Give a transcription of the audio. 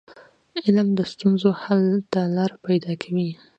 علم د ستونزو حل ته لار پيداکوي.